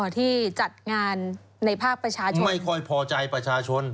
ที่จัดงานในภาคประชาชนไม่ค่อยพอใจประชาชน